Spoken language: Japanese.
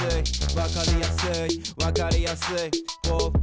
わかりやすいわかりやすいウォウ。